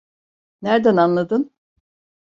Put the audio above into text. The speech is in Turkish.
Nerden anladın?